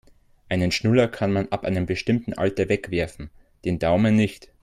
Einen Schnuller kann man ab einem bestimmten Alter wegwerfen, den Daumen nicht.